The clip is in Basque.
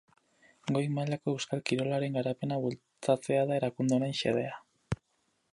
Goi-mailako euskal kirolaren garapena bultzatzea da erakunde honen xedea.